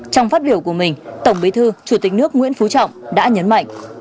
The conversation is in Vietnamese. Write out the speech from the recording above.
trong phát biểu của mình tổng bí thư chủ tịch nước nguyễn phú trọng đã nhấn mạnh